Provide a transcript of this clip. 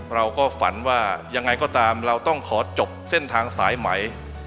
เราก็ฝันว่ายังไงก็ตามเราต้องขอจบเส้นทางสายใหม่